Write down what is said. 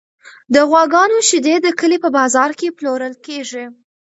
د غواګانو شیدې د کلي په بازار کې پلورل کیږي.